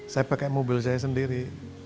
saya pakai mobil saya sendiri